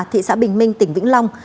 thị xã bình minh tỉnh vĩnh long